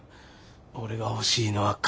俺が欲しいのは金。